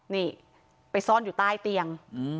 นี่ไปซ่อนอยู่ใต้เตียง